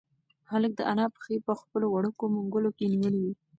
هلک د انا پښې په خپلو وړوکو منگولو کې نیولې وې.